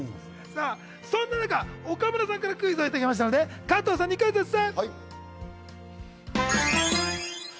そんな中、岡村さんからクイズをいただきましたので、加藤さんにクイズッス。